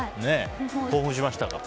興奮しましたか？